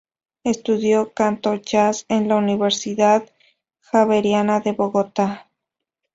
Estudió canto-jazz en la Universidad Javeriana de Bogotá.